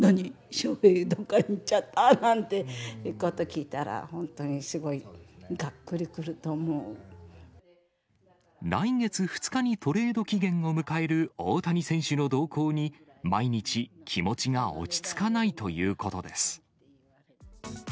翔平、どっか行っちゃった？なんてこと聞いたら、本当にすごいがっくり来月２日にトレード期限を迎える大谷選手の動向に、毎日、気持ちが落ち着かないということです。